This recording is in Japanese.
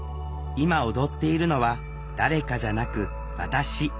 今踊っているのは誰かじゃなく私。